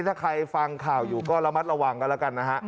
ถ้าใครฟังข่าวอยู่ก็ระมัดระวังกันแล้วกันนะฮะ